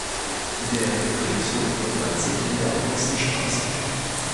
Der Betriebshof befand sich in der Augustenstraße.